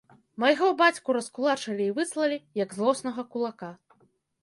Майго бацьку раскулачылі і выслалі, як злоснага кулака.